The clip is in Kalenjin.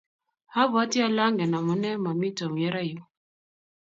abwatii ale angen amunee momii Tom yerayuu.